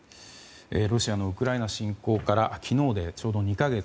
ロシアのウクライナ侵攻から昨日でちょうど２か月。